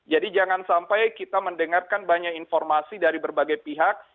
jadi jangan sampai kita mendengarkan banyak informasi dari berbagai pihak